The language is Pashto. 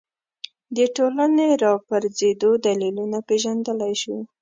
د ټولنې راپرځېدو دلیلونه پېژندلی شو